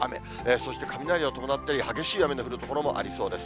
そして雷を伴ったり、激しい雨の降る所もありそうです。